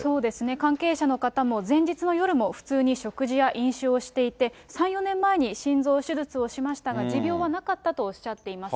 関係者の方も、前日の夜も普通に食事や飲酒をしていて、３、４年前に心臓手術をしましたが、持病はなかったとおっしゃっています。